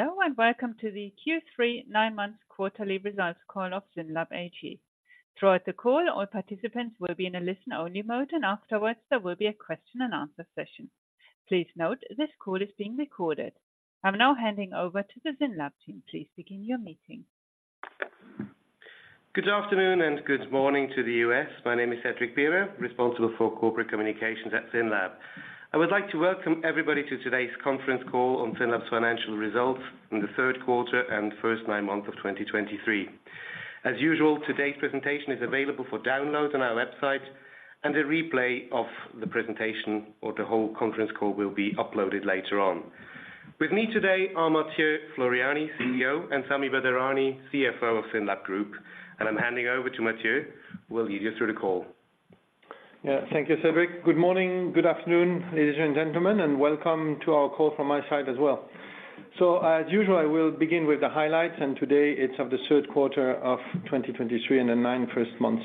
Hello, and welcome to the Q3 nine-month quarterly results call of SYNLAB AG. Throughout the call, all participants will be in a listen-only mode, and afterwards, there will be a question-and-answer session. Please note, this call is being recorded. I'm now handing over to the SYNLAB team. Please begin your meeting. Good afternoon, and good morning to the U.S. My name is Cédric Birrer, responsible for corporate communications at SYNLAB. I would like to welcome everybody to today's conference call on SYNLAB's financial results in the third quarter and first nine months of 2023. As usual, today's presentation is available for download on our website, and a replay of the presentation or the whole conference call will be uploaded later on. With me today are Mathieu Floreani, CEO, and Sami Badarani, CFO of SYNLAB Group. I'm handing over to Mathieu, who will lead you through the call. Yeah. Thank you, Cédric. Good morning, good afternoon, ladies and gentlemen, and welcome to our call from my side as well. So, as usual, I will begin with the highlights, and today it's of the third quarter of 2023 and the nine first months.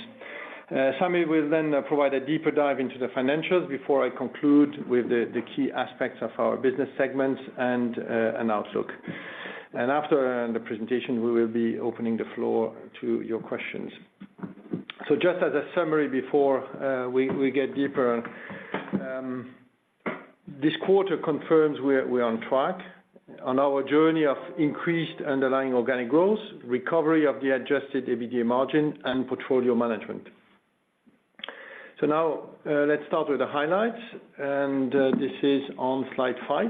Sami will then provide a deeper dive into the financials before I conclude with the key aspects of our business segments and an outlook. And after the presentation, we will be opening the floor to your questions. So just as a summary before we get deeper, this quarter confirms we're on track on our journey of increased underlying organic growth, recovery of the Adjusted EBITDA margin, and portfolio management. So now, let's start with the highlights, and this is on slide five.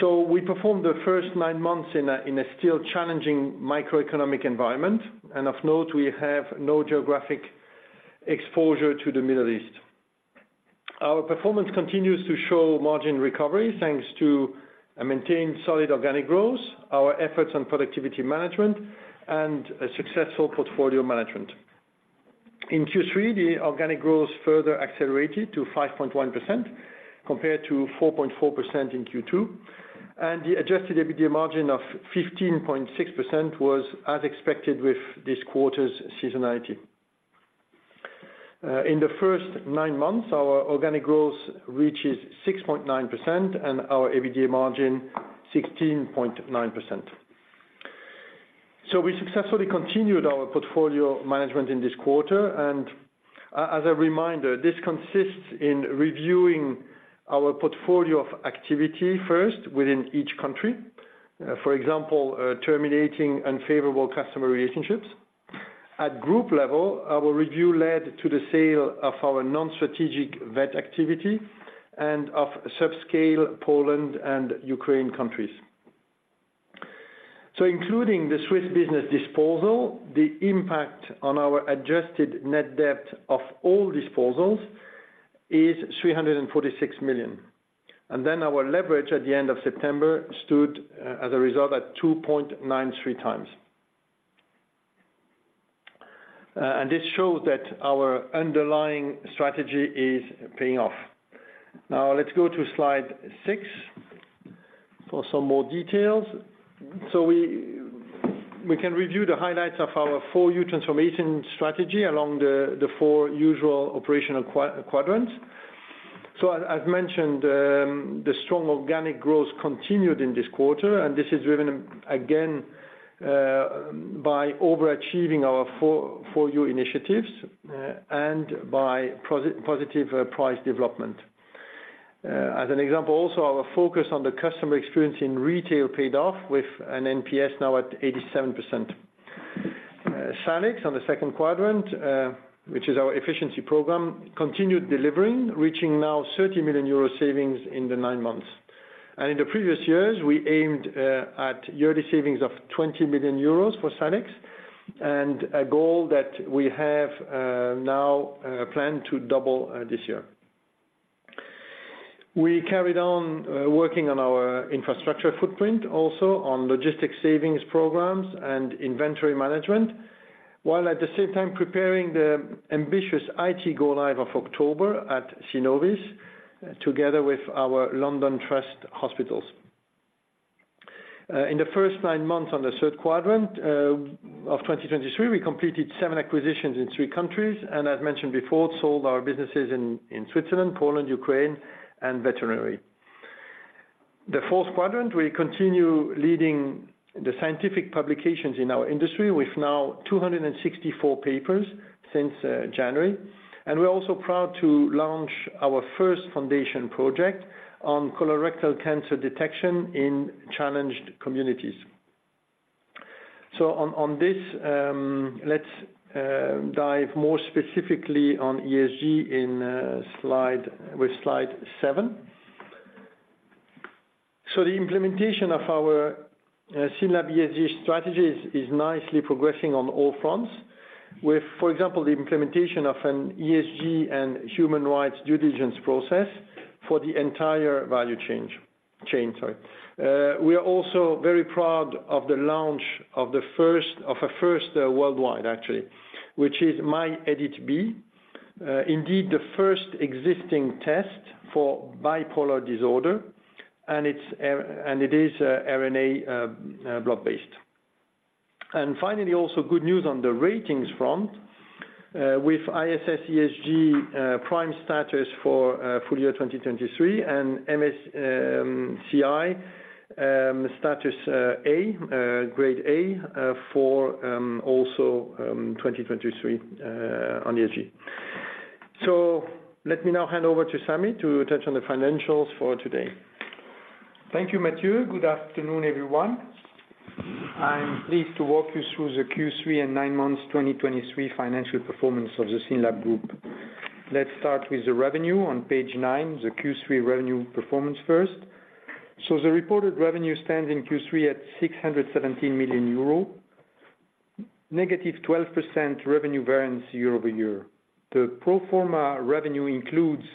So we performed the first nine months in a still challenging microeconomic environment, and of note, we have no geographic exposure to the Middle East. Our performance continues to show margin recovery, thanks to a maintained solid organic growth, our efforts on productivity management, and a successful portfolio management. In Q3, the organic growth further accelerated to 5.1%, compared to 4.4% in Q2, and the Adjusted EBITDA margin of 15.6% was as expected with this quarter's seasonality. In the first nine months, our organic growth reaches 6.9%, and our EBITDA margin 16.9%. So we successfully continued our portfolio management in this quarter, and as a reminder, this consists in reviewing our portfolio of activity first within each country. For example, terminating unfavorable customer relationships. At group level, our review led to the sale of our non-strategic vet activity and of subscale Poland and Ukraine countries. So including the Swiss business disposal, the impact on our adjusted net debt of all disposals is 346 million. And then our leverage at the end of September stood, as a result, at 2.93x. And this shows that our underlying strategy is paying off. Now, let's go to slide six for some more details. So we, we can review the highlights of our 4U transformation strategy along the, the four usual operational quadrants. So as I've mentioned, the strong organic growth continued in this quarter, and this is driven again, by overachieving our four, 4U initiatives, and by positive price development. As an example, also, our focus on the customer experience in retail paid off with an NPS now at 87%. SANEX, on the second quadrant, which is our efficiency program, continued delivering, reaching now 30 million euro savings in the nine months. In the previous years, we aimed at yearly savings of 20 million euros for SANEX, and a goal that we have now planned to double this year. We carried on working on our infrastructure footprint, also on logistics savings programs and inventory management, while at the same time preparing the ambitious IT Go-Live of October at Synnovis, together with our London Trust Hospitals. In the first nine months, on the third quadrant, of 2023, we completed seven acquisitions in three countries, and as mentioned before, sold our businesses in Switzerland, Poland, Ukraine, and Veterinary. The fourth quadrant, we continue leading the scientific publications in our industry with now 264 papers since January. We're also proud to launch our first foundation project on colorectal cancer detection in challenged communities. So on this, let's dive more specifically on ESG in slide seven. The implementation of our SYNLAB ESG strategy is nicely progressing on all fronts, with, for example, the implementation of an ESG and human rights due diligence process for the entire value chain. Sorry. We are also very proud of the launch of the first—a first worldwide, actually, which is myEDIT-B. Indeed, the first existing test for bipolar disorder, and it is RNA blood-based. And finally, also good news on the ratings front, with ISS ESG prime status for full year 2023, and MSCI status A grade A for also 2023 on ESG. So let me now hand over to Sami to touch on the financials for today. Thank you, Mathieu. Good afternoon, everyone. I'm pleased to walk you through the Q3 and nine months 2023 financial performance of the SYNLAB Group. Let's start with the revenue on page nine, the Q3 revenue performance first. So the reported revenue stands in Q3 at 617 million euro, -12% revenue variance year-over-year. The pro forma revenue includes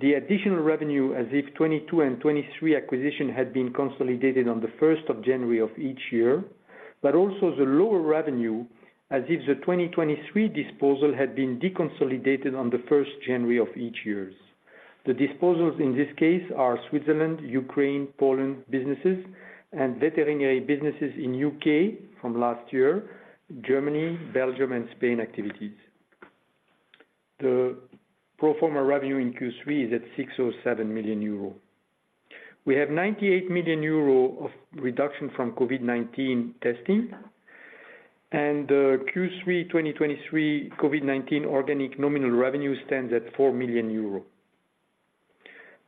the additional revenue, as if 2022 and 2023 acquisition had been consolidated on the first of January of each year, but also the lower revenue, as if the 2023 disposal had been deconsolidated on the first of January of each year. The disposals in this case are Switzerland, Ukraine, Poland businesses, and veterinary businesses in U.K. from last year, Germany, Belgium and Spain activities. The pro forma revenue in Q3 is at 607 million euro. We have 98 million euro of reduction from COVID-19 testing, and the Q3 2023 COVID-19 organic nominal revenue stands at 4 million euro.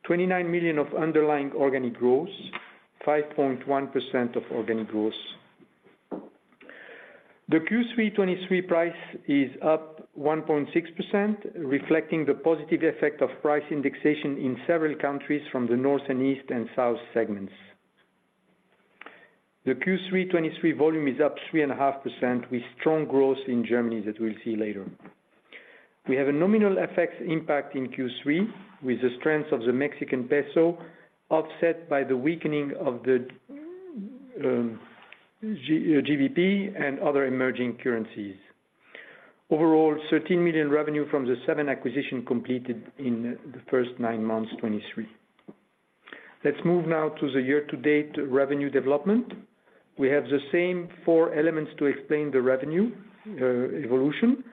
29 million of underlying organic growth, 5.1% of organic growth. The Q3 2023 price is up 1.6%, reflecting the positive effect of price indexation in several countries from the North and East and South segments. The Q3 2023 volume is up 3.5%, with strong growth in Germany that we'll see later. We have a nominal FX impact in Q3, with the strength of the Mexican peso offset by the weakening of the GBP and other emerging currencies. Overall, 13 million revenue from the seven acquisition completed in the first nine months, 2023. Let's move now to the year-to-date revenue development. We have the same four elements to explain the revenue evolution.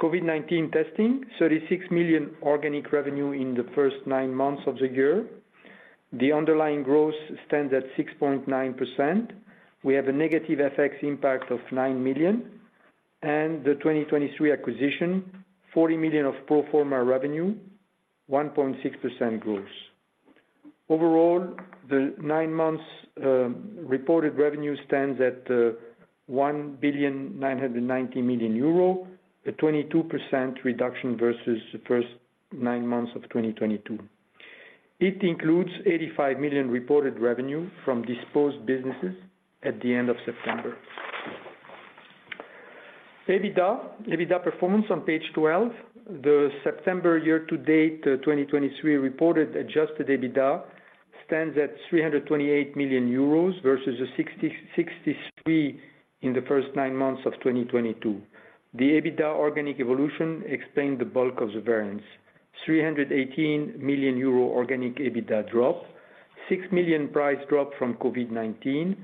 COVID-19 testing, 36 million organic revenue in the first nine months of the year. The underlying growth stands at 6.9%. We have a negative FX impact of 9 million and the 2023 acquisition, 40 million of pro forma revenue, 1.6% growth. Overall, the nine months reported revenue stands at 1.99 billion, a 22% reduction versus the first nine months of 2022. It includes 85 million reported revenue from disposed businesses at the end of September. EBITDA, EBITDA performance on page 12. The September year-to-date 2023 reported adjusted EBITDA stands at 328 million euros versus the 663 in the first nine months of 2022. The EBITDA organic evolution explained the bulk of the variance. 318 million euro organic EBITDA drop, 6 million price drop from COVID-19,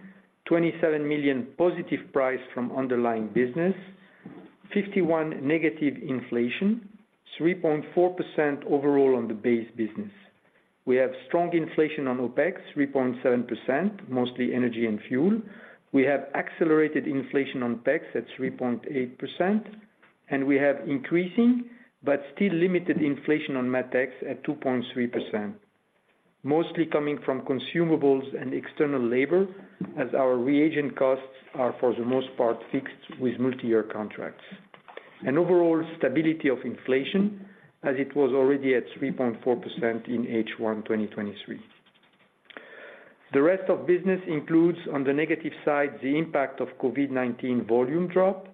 27 million positive price from underlying business, 51 negative inflation, 3.4% overall on the base business. We have strong inflation on OpEx, 3.7%, mostly energy and fuel. We have accelerated inflation on OpEx at 3.8%, and we have increasing but still limited inflation on MatEx at 2.3%. Mostly coming from consumables and external labor, as our reagent costs are, for the most part, fixed with multi-year contracts. Overall stability of inflation, as it was already at 3.4% in H1 2023. The rest of business includes, on the negative side, the impact of COVID-19 volume drop,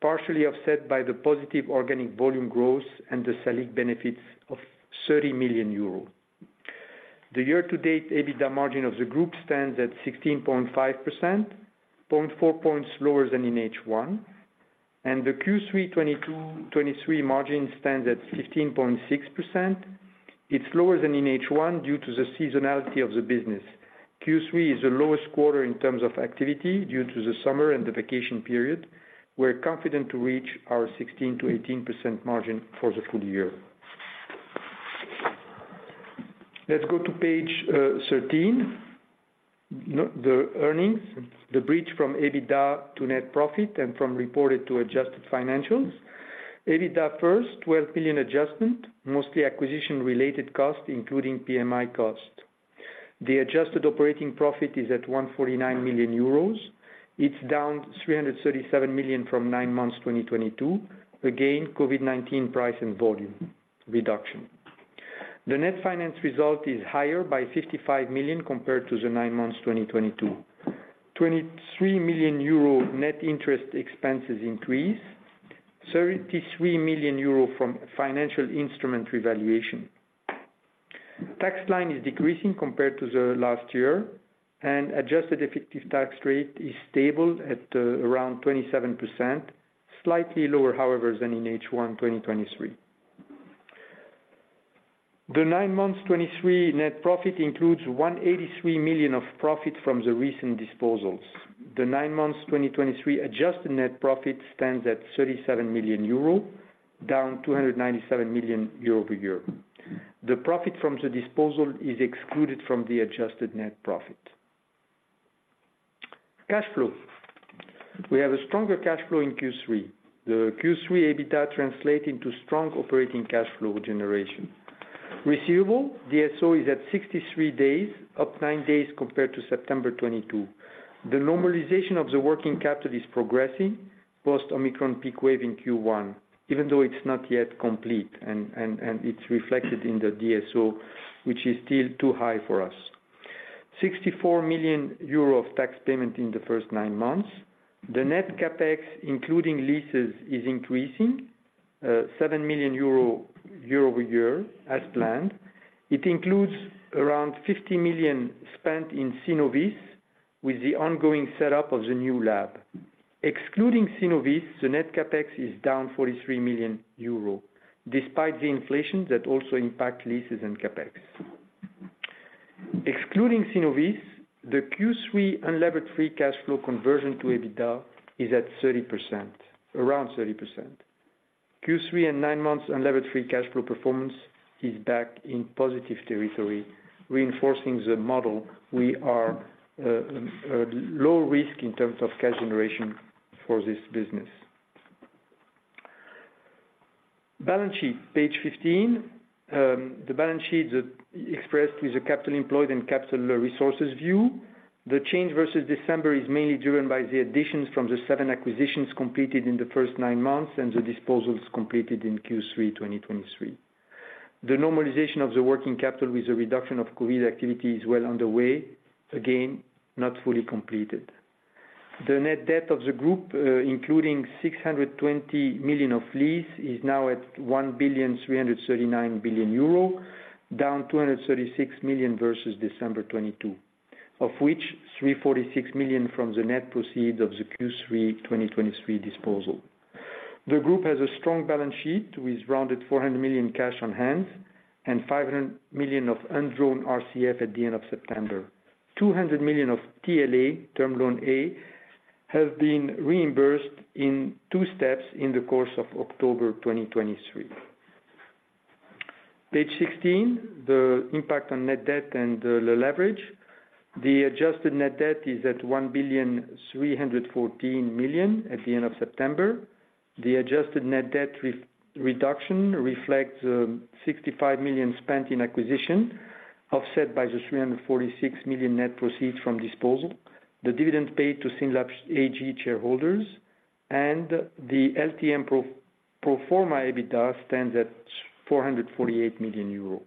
partially offset by the positive organic volume growth and the SANEX benefits of 30 million euros. The year-to-date EBITDA margin of the group stands at 16.5%, 0.4 points lower than in H1, and the Q3 2022-2023 margin stands at 15.6%. It's lower than in H1 due to the seasonality of the business. Q3 is the lowest quarter in terms of activity due to the summer and the vacation period. We're confident to reach our 16%-18% margin for the full year. Let's go to page 13. Now the earnings, the bridge from EBITDA to net profit and from reported to adjusted financials. EBITDA first, 12 billion adjustment, mostly acquisition-related costs, including PMI cost. The adjusted operating profit is at 149 million euros. It's down 337 million from nine months 2022. Again, COVID-19 price and volume reduction. The net finance result is higher by 55 million compared to the nine months 2022. 23 million euro net interest expenses increase, 33 million euro from financial instrument revaluation. Tax line is decreasing compared to the last year, and adjusted effective tax rate is stable at, around 27%, slightly lower, however, than in H1 2023. The nine months 2023 net profit includes 183 million of profit from the recent disposals. The nine months 2023 adjusted net profit stands at 37 million euro, down 297 million euro year-over-year. The profit from the disposal is excluded from the adjusted net profit. Cash flow. We have a stronger cash flow in Q3. The Q3 EBITDA translate into strong operating cash flow generation. Receivable, DSO is at 63 days, up nine days compared to September 2022. The normalization of the working capital is progressing post-Omicron peak wave in Q1, even though it's not yet complete, and it's reflected in the DSO, which is still too high for us. 64 million euro of tax payment in the first nine months. The net CapEx, including leases, is increasing seven million euro, year-over-year, as planned. It includes around 50 million spent in Synnovis, with the ongoing setup of the new lab. Excluding Synnovis, the net CapEx is down 43 million euro, despite the inflation that also impact leases and CapEx. Excluding Synnovis, the Q3 unlevered free cash flow conversion to EBITDA is at 30%, around 30%. Q3 and nine months unlevered free cash flow performance is back in positive territory, reinforcing the model. We are low risk in terms of cash generation for this business. Balance sheet, page 15. The balance sheet is expressed with the capital employed and capital resources view. The change versus December is mainly driven by the additions from the seven acquisitions completed in the first nine months and the disposals completed in Q3 2023. The normalization of the working capital with a reduction of COVID activity is well underway, again, not fully completed. The net debt of the group, including 620 million of lease, is now at 1.339 billion, down 236 million versus December 2022, of which 346 million from the net proceeds of the Q3 2023 disposal. The group has a strong balance sheet, with rounded 400 million cash on hand and 500 million of undrawn RCF at the end of September. 200 million of TLA, term loan A, have been reimbursed in two steps in the course of October 2023. Page 16, the impact on net debt and the leverage. The adjusted net debt is at 1,314 million at the end of September. The adjusted net debt reduction reflects 65 million spent in acquisition, offset by the 346 million net proceeds from disposal, the dividend paid to SYNLAB AG shareholders, and the LTM pro forma EBITDA stands at 448 million euros.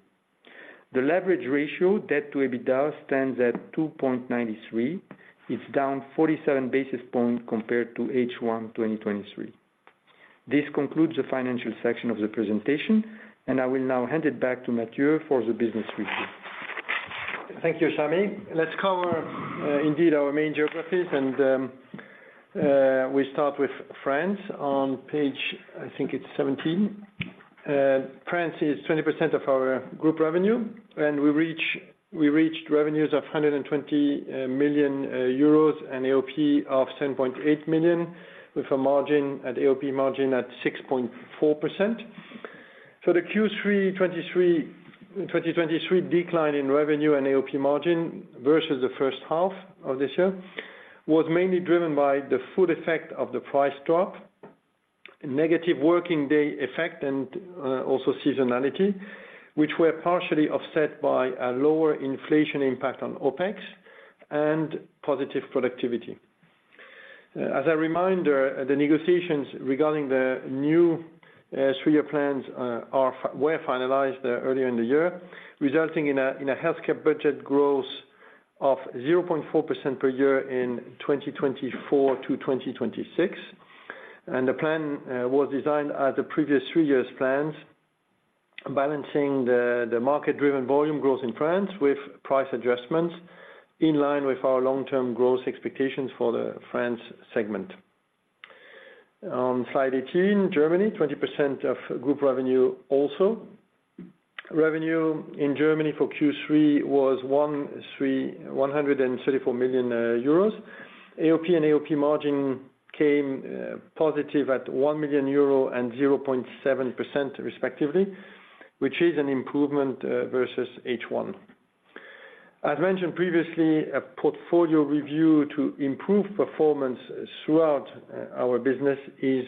The leverage ratio, debt to EBITDA, stands at 2.93. It's down 47 basis points compared to H1 2023. This concludes the financial section of the presentation, and I will now hand it back to Mathieu for the business review. Thank you, Sami. Let's cover, indeed, our main geographies, and, we start with France on page, I think it's 17. France is 20% of our group revenue, and we reach- we reached revenues of 120 million euros and AOP of 10.8 million, with a margin, an AOP margin at 6.4%. So the Q3 2023 decline in revenue and AOP margin versus the first half of this year, was mainly driven by the full effect of the price drop, negative working day effect, and, also seasonality, which were partially offset by a lower inflation impact on OpEx and positive productivity. As a reminder, the negotiations regarding the new three-year plans were finalized earlier in the year, resulting in a healthcare budget growth of 0.4% per year in 2024 to 2026. The plan was designed as the previous three years' plans, balancing the market-driven volume growth in France with price adjustments in line with our long-term growth expectations for the France segment. On slide 18, Germany, 20% of group revenue also. Revenue in Germany for Q3 was 134 million euros. AOP and AOP margin came positive at 1 million euro and 0.7%, respectively, which is an improvement versus H1. As mentioned previously, a portfolio review to improve performance throughout our business is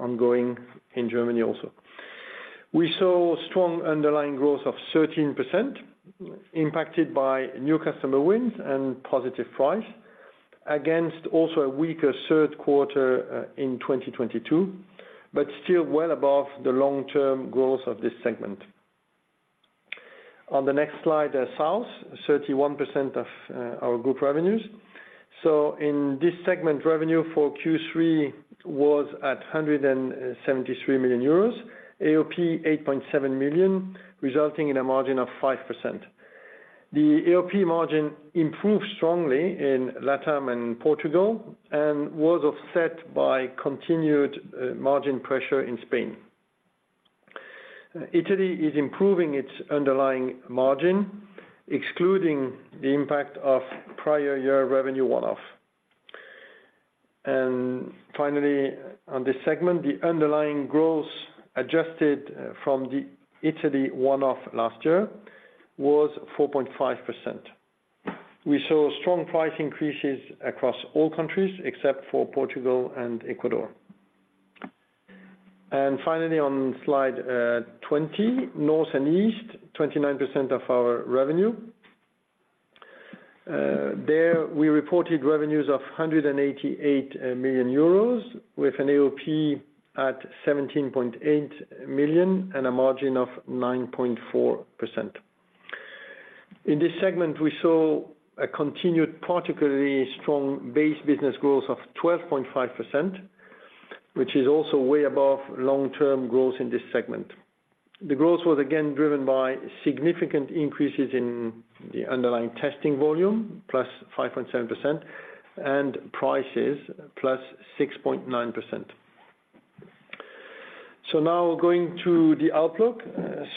ongoing in Germany also. We saw strong underlying growth of 13%, impacted by new customer wins and positive price, against also a weaker third quarter in 2022, but still well above the long-term growth of this segment. On the next slide, South, 31% of our group revenues. So in this segment, revenue for Q3 was at 173 million euros, AOP 8.7 million, resulting in a margin of 5%. The AOP margin improved strongly in Latam and Portugal, and was offset by continued margin pressure in Spain. Italy is improving its underlying margin, excluding the impact of prior year revenue one-off. And finally, on this segment, the underlying growth adjusted from the Italy one-off last year was 4.5%. We saw strong price increases across all countries, except for Portugal and Ecuador. And finally, on slide 20, North and East, 29% of our revenue. There, we reported revenues of 188 million euros, with an AOP at 17.8 million and a margin of 9.4%. In this segment, we saw a continued, particularly strong base business growth of 12.5%, which is also way above long-term growth in this segment. The growth was again driven by significant increases in the underlying testing volume, plus 5.7%, and prices plus 6.9%. So now going to the outlook.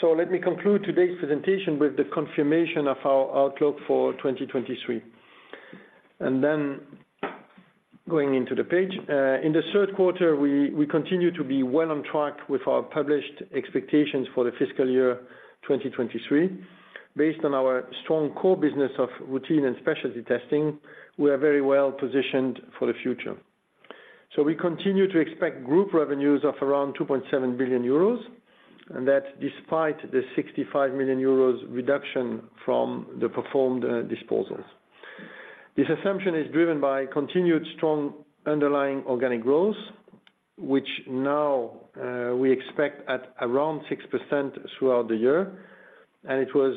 So let me conclude today's presentation with the confirmation of our outlook for 2023. And then going into the page. In the third quarter, we continue to be well on track with our published expectations for the fiscal year 2023. Based on our strong core business of routine and specialty testing, we are very well positioned for the future. So we continue to expect group revenues of around 2.7 billion euros, and that's despite the 65 million euros reduction from the performed, disposals. This assumption is driven by continued strong underlying organic growth, which now, we expect at around 6% throughout the year, and it was,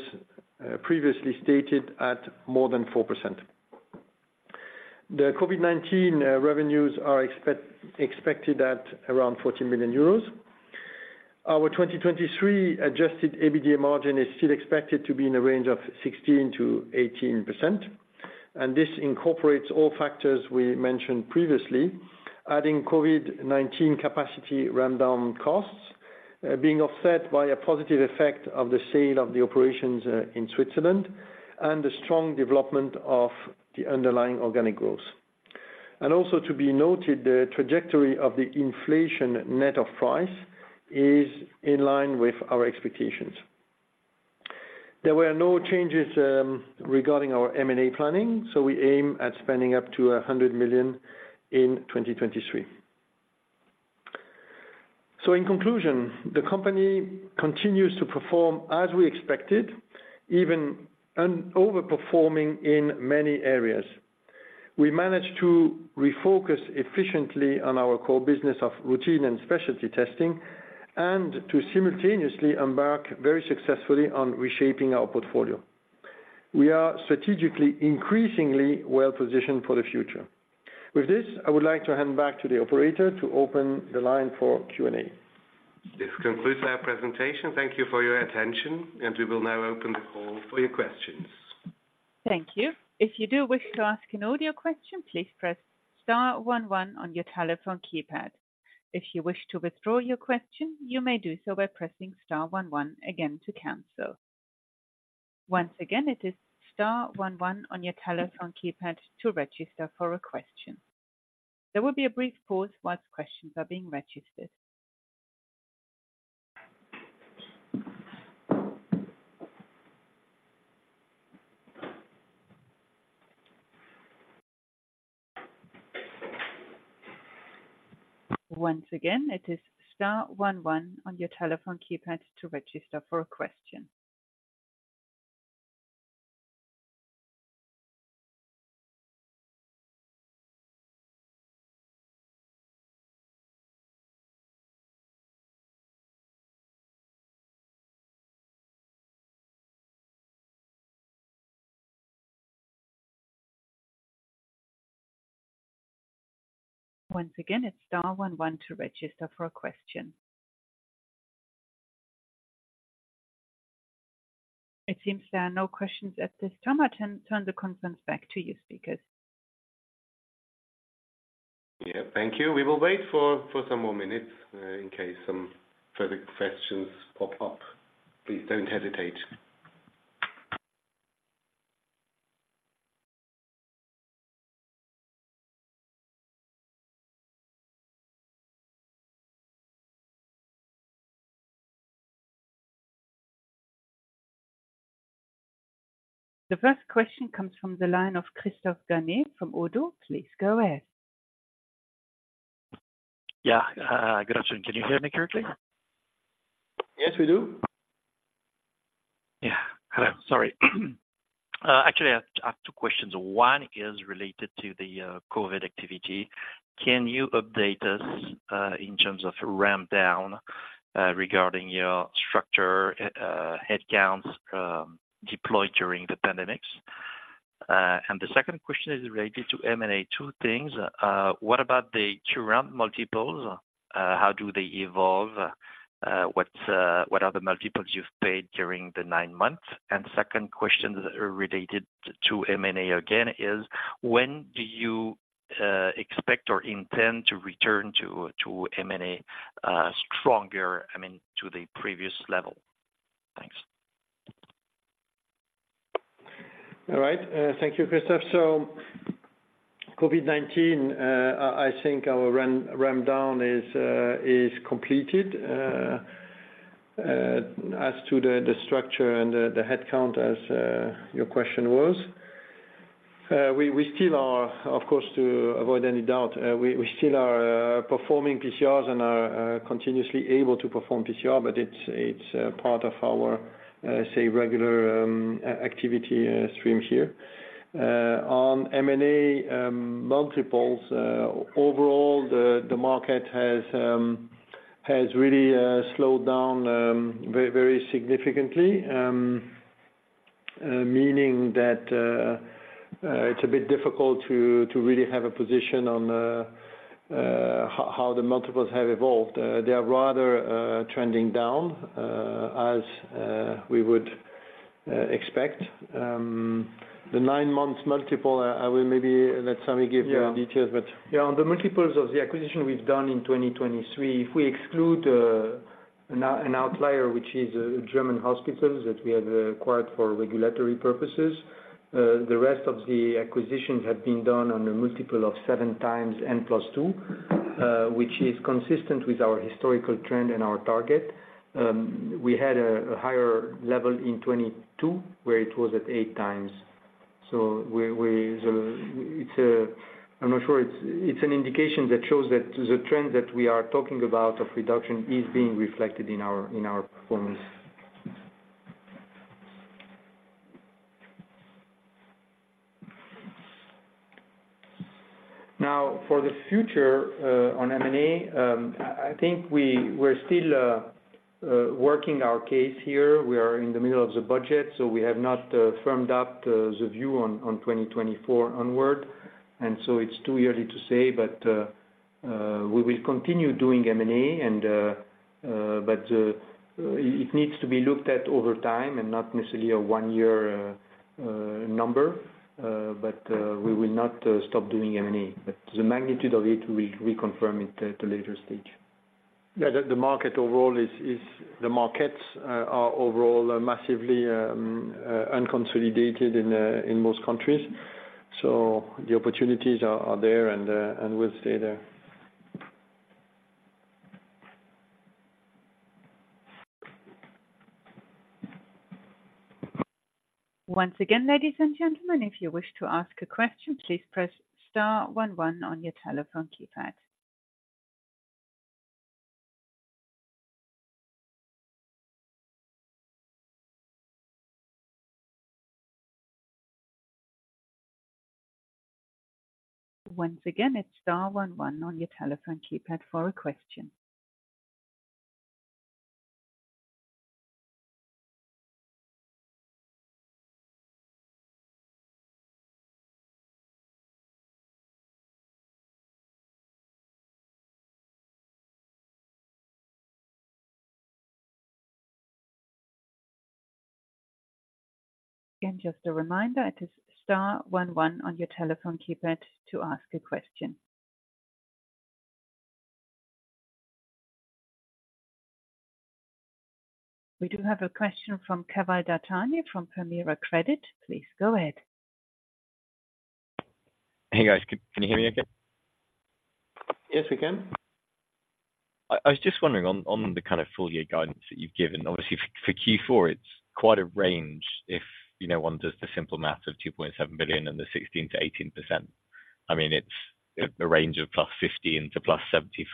previously stated at more than 4%. The COVID-19, revenues are expected at around 14 million euros. Our 2023 adjusted EBITDA margin is still expected to be in a range of 16%-18%, and this incorporates all factors we mentioned previously, adding COVID-19 capacity ramp down costs, being offset by a positive effect of the sale of the operations, in Switzerland, and the strong development of the underlying organic growth. Also to be noted, the trajectory of the inflation net of price is in line with our expectations. There were no changes regarding our M&A planning, so we aim at spending up to 100 million in 2023. So in conclusion, the company continues to perform as we expected, even and overperforming in many areas. We managed to refocus efficiently on our core business of routine and specialty testing, and to simultaneously embark very successfully on reshaping our portfolio. We are strategically, increasingly well positioned for the future. With this, I would like to hand back to the operator to open the line for Q&A. This concludes our presentation. Thank you for your attention, and we will now open the call for your questions. Thank you. If you do wish to ask an audio question, please press star one one on your telephone keypad. If you wish to withdraw your question, you may do so by pressing star one one again to cancel. Once again, it is star one one on your telephone keypad to register for a question. There will be a brief pause while questions are being registered. Once again, it is star one one on your telephone keypad to register for a question. Once again, it's star one one to register for a question. It seems there are no questions at this time. I turn the conference back to you, speakers. Yeah, thank you. We will wait for some more minutes in case some further questions pop up. Please don't hesitate. The first question comes from the line of Christophe Ganet from Oddo. Please go ahead. Yeah, good afternoon. Can you hear me clearly? Yes, we do. Yeah. Hello, sorry. Actually, I have two questions. One is related to the COVID activity. Can you update us in terms of ramp down regarding your structure, headcount deployed during the pandemics?... and the second question is related to M&A, two things. What about the two ramp multiples? How do they evolve? What are the multiples you've paid during the nine months? And second question related to M&A again, is when do you expect or intend to return to M&A stronger, I mean, to the previous level? Thanks. All right. Thank you, Christophe. So COVID-19, I think our ramp down is completed. As to the structure and the headcount as your question was. We still are, of course, to avoid any doubt, we still are performing PCRs and are continuously able to perform PCR, but it's part of our say regular activity streams here. On M&A multiples, overall, the market has really slowed down very significantly. Meaning that it's a bit difficult to really have a position on how the multiples have evolved. They are rather trending down as we would expect. The nine-month multiple, I will maybe let Sami give the details, but- Yeah, on the multiples of the acquisitions we've done in 2023, if we exclude an outlier, which is German hospitals that we have acquired for regulatory purposes, the rest of the acquisitions have been done on a multiple of 7x N+2, which is consistent with our historical trend and our target. We had a higher level in 2022, where it was at 8x. So we, it's an indication that shows that the trend that we are talking about of reduction is being reflected in our performance. Now, for the future, on M&A, I think we're still working our case here. We are in the middle of the budget, so we have not firmed up the view on 2024 onward, and so it's too early to say, but we will continue doing M&A, but it needs to be looked at over time and not necessarily a one-year number. But we will not stop doing M&A, but the magnitude of it, we confirm it at a later stage. Yeah, the market overall is. The markets are overall massively unconsolidated in most countries. So the opportunities are there and will stay there. Once again, ladies and gentlemen, if you wish to ask a question, please press star one one on your telephone keypad. Once again, it's star one one on your telephone keypad for a question. Again, just a reminder, it is star one one on your telephone keypad to ask a question. We do have a question from Keval Dattani from Permira Credit. Please go ahead. Hey, guys. Can you hear me okay? Yes, we can. I was just wondering on the kind of full year guidance that you've given. Obviously, for Q4, it's quite a range. If you know, one does the simple math of 2.7 billion and the 16%-18%, I mean, it's a range of +50%-+75%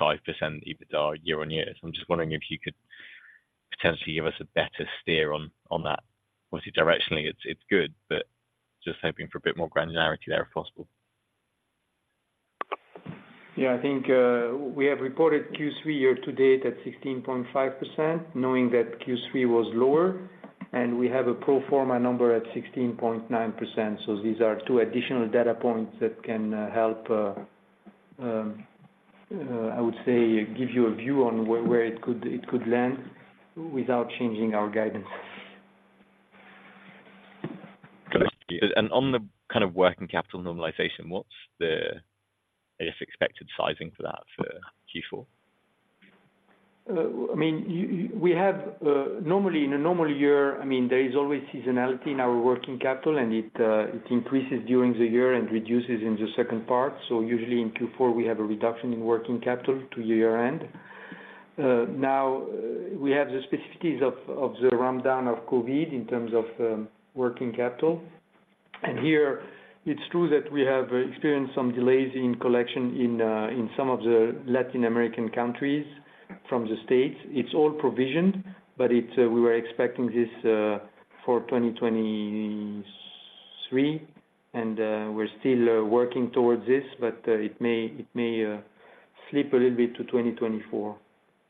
EBITDA year-on-year. So I'm just wondering if you could potentially give us a better steer on that. Obviously, directionally, it's good, but just hoping for a bit more granularity there, if possible. Yeah, I think, we have reported Q3 year to date at 16.5%, knowing that Q3 was lower, and we have a pro forma number at 16.9%. So these are two additional data points that can help, I would say, give you a view on where it could land without changing our guidance. Got it. And on the kind of working capital normalization, what's the, I guess, expected sizing for that for Q4? I mean, we have, normally, in a normal year, I mean, there is always seasonality in our working capital, and it increases during the year and reduces in the second part. So usually in Q4, we have a reduction in working capital to year-end. Now, we have the specificities of the rundown of COVID in terms of working capital. And here, it's true that we have experienced some delays in collection in some of the Latin American countries from the States. It's all provisioned, but it's we were expecting this for 2023, and we're still working towards this, but it may, it may-... slip a little bit to 2024.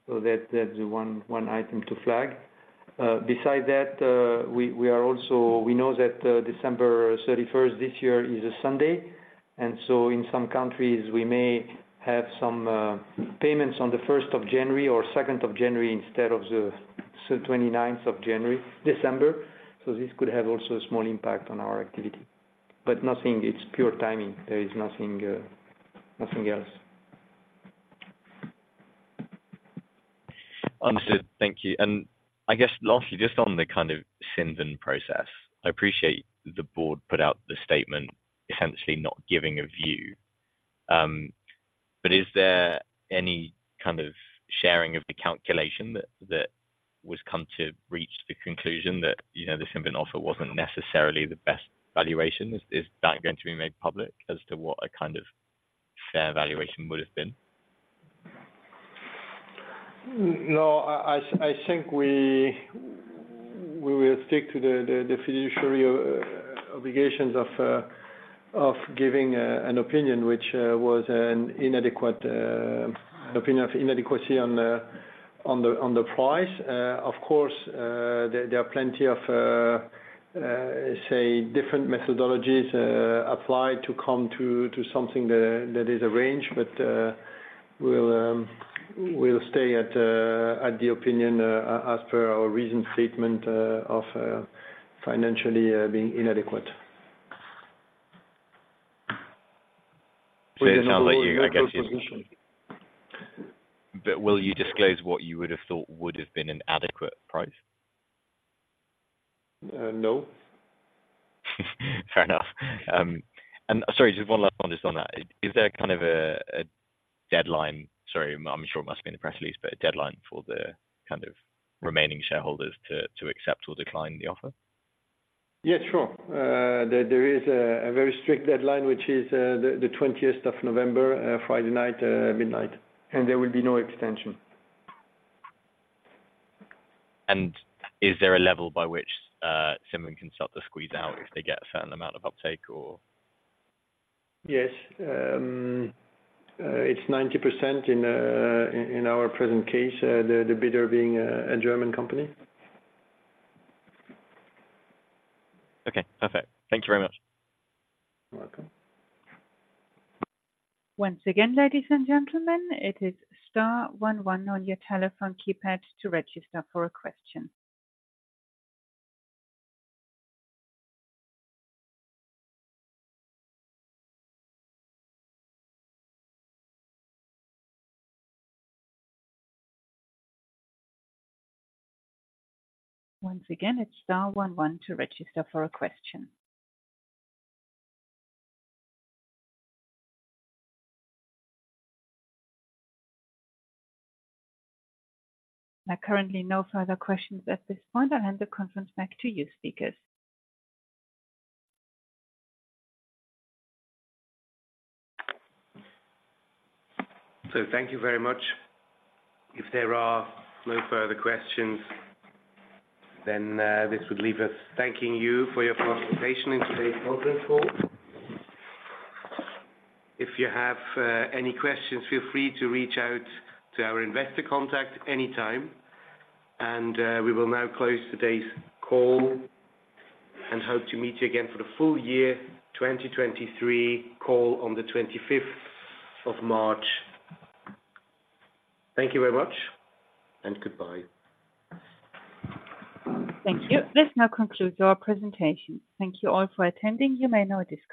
So that, that's the one, one item to flag. Beside that, we, we are also-- we know that, December 31st this year is a Sunday, and so in some countries, we may have some, payments on the first of January or second of January, instead of the 29th of January, December. So this could have also a small impact on our activity. But nothing, it's pure timing. There is nothing, nothing else. Understood. Thank you. I guess lastly, just on the kind of Cinven process. I appreciate the board put out the statement, essentially not giving a view. But is there any kind of sharing of the calculation that was come to reach the conclusion that, you know, the Cinven offer wasn't necessarily the best valuation? Is that going to be made public as to what a kind of fair valuation would have been? No, I think we will stick to the fiduciary obligations of giving an opinion, which was an inadequate opinion of inadequacy on the price. Of course, there are plenty of, say, different methodologies applied to come to something that is arranged. But, we'll stay at the opinion as per our recent statement of financially being inadequate. So it sounds like you, I guess- position. Will you disclose what you would've thought would've been an adequate price? Uh, no. Fair enough. And sorry, just one last one just on that. Is there kind of a, a deadline? Sorry, I'm sure it must be in the press release, but a deadline for the, kind of, remaining shareholders to, to accept or decline the offer? Yeah, sure. There is a very strict deadline, which is the twentieth of November, Friday night, midnight, and there will be no extension. Is there a level by which Cinven can start to squeeze out if they get a certain amount of uptake or? Yes. It's 90% in our present case, the bidder being a German company. Okay, perfect. Thank you very much. You're welcome. Once again, ladies and gentlemen, it is star one one on your telephone keypad to register for a question. Once again, it's star one one to register for a question. There are currently no further questions at this point. I'll hand the conference back to you, speakers. So thank you very much. If there are no further questions, then this would leave us thanking you for your participation in today's conference call. If you have any questions, feel free to reach out to our investor contact anytime, and we will now close today's call and hope to meet you again for the full year 2023 call on the 25th of March. Thank you very much, and goodbye. Thank you. This now concludes our presentation. Thank you all for attending. You may now disconnect.